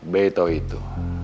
be tau itu